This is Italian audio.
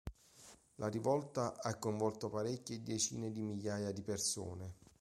La rivolta ha coinvolto parecchie decine di migliaia di persone.